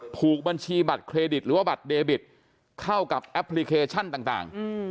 ถูกบัญชีบัตรเครดิตหรือว่าบัตรเดบิตเข้ากับแอปพลิเคชันต่าง